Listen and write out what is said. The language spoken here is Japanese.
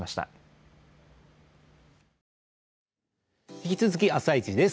引き続き「あさイチ」です。